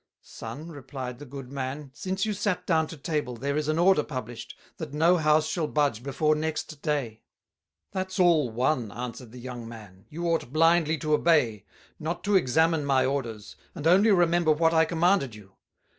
"Son," replyed the good Man, "since you sate down to Table, there is an Order published, That no House shall budg before next day:" "That's all one," answered the young Man; "you ought blindly to obey, not to examine my Orders, and only remember what I commanded you.